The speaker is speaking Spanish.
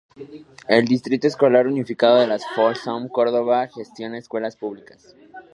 El Distrito Escolar Unificado de Folsom Cordova gestiona escuelas públicas.